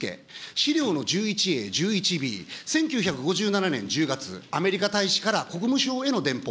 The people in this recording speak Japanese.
資料の１１Ａ、１１Ｂ、１９５７年１０月、アメリカ大使から国務省への電報。